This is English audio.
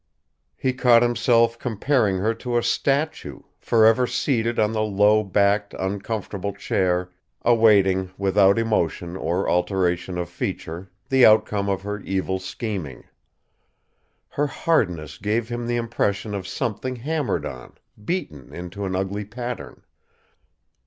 He caught himself comparing her to a statue, forever seated on the low backed, uncomfortable chair, awaiting without emotion or alteration of feature the outcome of her evil scheming. Her hardness gave him the impression of something hammered on, beaten into an ugly pattern.